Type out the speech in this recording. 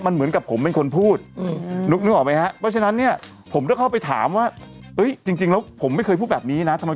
ตอนนี้เขาบอกมันแล้วว่าเป็นแฟนคลับของผมแก่หมดดำ